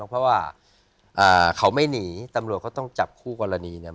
เพราะว่าเขาไม่หนีตำรวจเขาต้องจับคู่กรณีเนี่ย